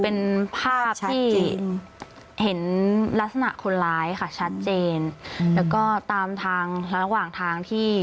เป็นภาพที่เห็นลักษณะคนร้ายค่ะชัดเจนแล้วก็ตามทางระหว่างทางที่